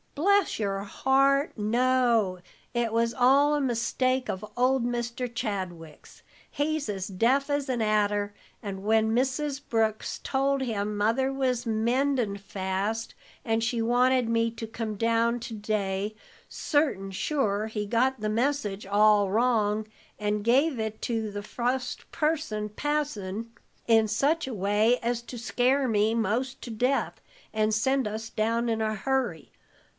"Bless your heart, no! It was all a mistake of old Mr. Chadwick's. He's as deaf as an adder, and when Mrs. Brooks told him Mother was mendin' fast, and she wanted me to come down to day, certain sure, he got the message all wrong, and give it to the fust person passin' in such a way as to scare me 'most to death, and send us down in a hurry.